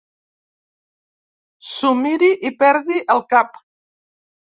S'ho miri i perdi el cap.